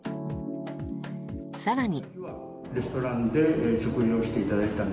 更に。